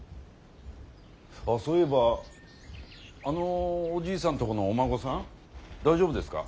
ああそういえばあのおじいさんとこのお孫さん大丈夫ですか？